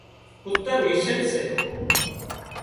ڪُتر مشينَ سي